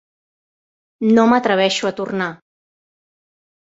No m'atreveixo a tornar.